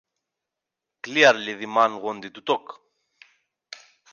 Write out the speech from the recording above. Clearly the man wanted to talk.